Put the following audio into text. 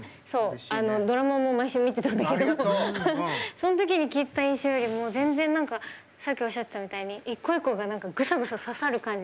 その時に聴いてた印象よりも全然何かさっきおっしゃってたみたいに一個一個が何かぐさぐさ刺さる感じがあった。